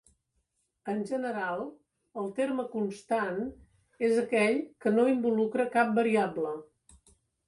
En general el terme constant és aquell que no involucra cap variable.